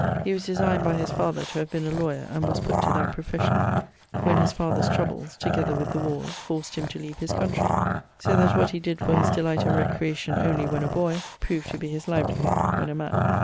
He was designed by his father to have been a lawyer, and was putt to that profession, when his father's troubles, together with the warres, forced him to leave his countrey. So that what he did for his delight and recreation only when a boy, proved to be his livelyhood when a man.